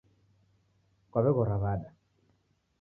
Kwaw'eghora w'ada